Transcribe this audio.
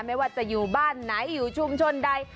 ไม่ว่าจะอยู่บ้านไหนอยู่ชุมชนใด